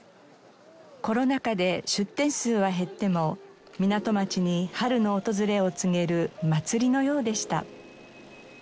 コロナ禍で出店数は減っても港町に春の訪れを告げる祭りのようでした。